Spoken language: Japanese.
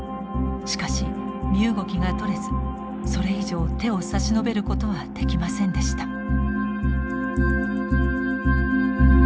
しかし身動きがとれずそれ以上手を差し伸べることはできませんでした。